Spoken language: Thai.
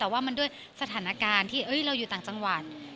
แต่ว่ามันด้วยสถานการณ์ที่เราอยู่ต่างจังหวัด